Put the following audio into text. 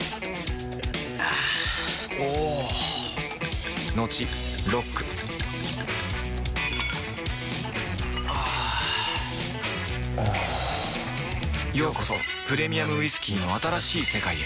あぁおぉトクトクあぁおぉようこそプレミアムウイスキーの新しい世界へ